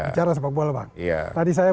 bicara sepak bola bang tadi saya